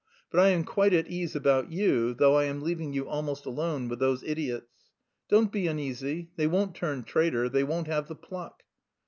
But I am quite at ease about you, though I am leaving you almost alone with those idiots. Don't be uneasy; they won't turn traitor, they won't have the pluck....